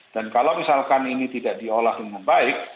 dan kalau misalkan ini tidak diolah dengan baik